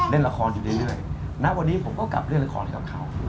เล่นละครอยู่เรื่อยณวันนี้ผมก็กลับเล่นละครกับเขา